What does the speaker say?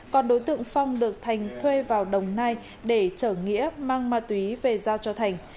còn đối tượng phong được thành thuê vào đồng nai để chở nghĩa mang ma túy về giao cho thành